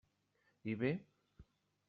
I bé?